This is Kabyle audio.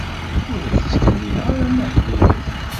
Ur ak-ttkemmileɣ ara amahil-nnek.